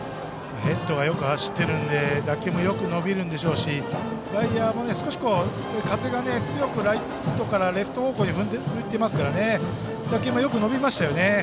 ヘッドがよく走ってるので打球もよく伸びるんでしょうし外野も、風が強くライトからレフト方向に吹いていますから打球もよく伸びましたよね。